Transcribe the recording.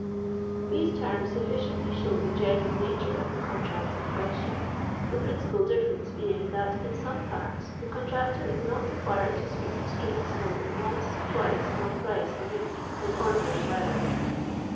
These terms sufficiently show the general nature of the contracts in question ; the principal differ ence being that in some parts, the contractor is not required to sweep the streets more than once, twice, or thrice a week in ordinary weather.